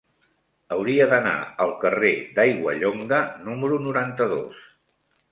Hauria d'anar al carrer d'Aiguallonga número noranta-dos.